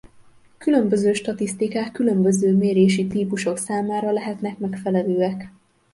Különböző statisztikák különböző mérési típusok számára lehetnek megfelelőek.